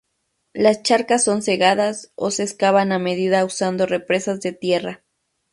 Las charcas son cegadas, o se excavan a medida usando represas de tierra.